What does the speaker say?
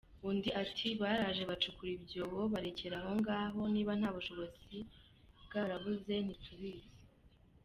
Undi ati “ Baraje bacukura ibyobo barekera aho ngaho, niba ubushobozi bwarabuze ntitubizi.